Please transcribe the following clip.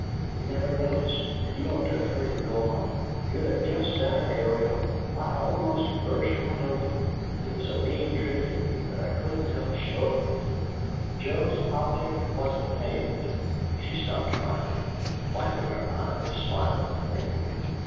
He'd never noticed, and you ought to have heard him go on! You'd have just died, Ariel I almost bust wide open! It was a mean trick in me, but I couldn't help showing it to him." Joe's object was obtained. She stopped crying, and, wiping her eyes, smiled faintly.